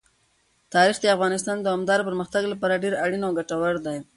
تاریخ د افغانستان د دوامداره پرمختګ لپاره ډېر اړین او ګټور دی.